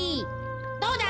どうだ？